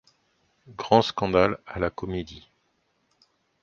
Grand scandale à la Comédie.